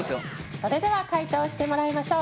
それでは解答してもらいましょう。